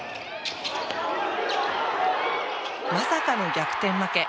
まさかの逆転負け。